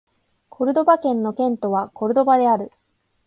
コルドバ県の県都はコルドバである